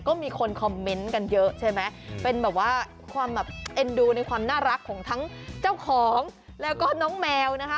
ก็มีคนคอมเมนต์กันเยอะใช่ไหมเป็นแบบว่าความแบบเอ็นดูในความน่ารักของทั้งเจ้าของแล้วก็น้องแมวนะคะ